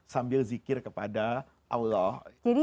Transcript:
sambil zikir kepada allah